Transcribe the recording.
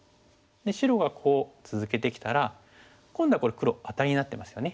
で白がこう続けてきたら今度はこれ黒アタリになってますよね。